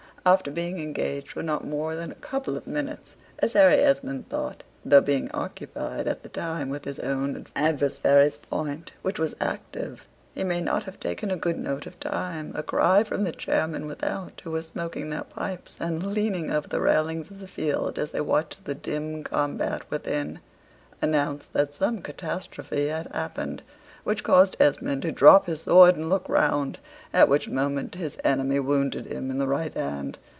After being engaged for not more than a couple of minutes, as Harry Esmond thought (though being occupied at the time with his own adversary's point, which was active, he may not have taken a good note of time), a cry from the chairmen without, who were smoking their pipes, and leaning over the railings of the field as they watched the dim combat within, announced that some catastrophe had happened, which caused Esmond to drop his sword and look round, at which moment his enemy wounded him in the right hand.